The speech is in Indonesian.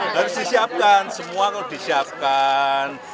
harus disiapkan semua harus disiapkan